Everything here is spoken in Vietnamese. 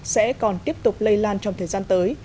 sẽ còn tiếp tục lây lan trong thời gian tới